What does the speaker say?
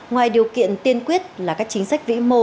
ngoài điều kiện tiên quyết là các chính sách vĩ mô